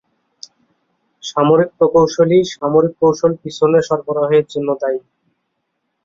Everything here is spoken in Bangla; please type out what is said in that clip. সামরিক প্রকৌশলী সামরিক কৌশল পিছনে সরবরাহের জন্য দায়ী।